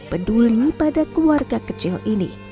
peduli pada keluarga kecil ini